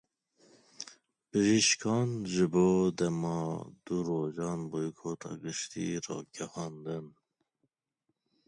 Bijîşkan ji bo dema du rojan boykota giştî ragihandin.